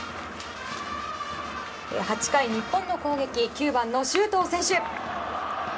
８回、日本の攻撃９番の周東選手。